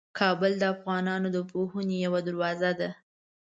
کابل د افغانانو د پوهنې یوه دروازه ده.